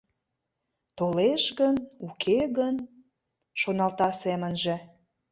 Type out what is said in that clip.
Толеш гын, уке гын... — шоналта семынже.